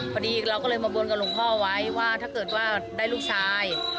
พอดีเราก็เลยมาบนกับหลวงพ่อไว้ว่าถ้าเกิดว่าได้ลูกชาย